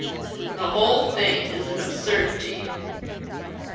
The whole thing is an absurdity."